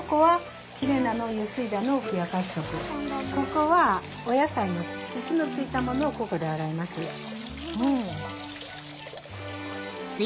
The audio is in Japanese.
ここはお野さいの土のついたものをここで洗います。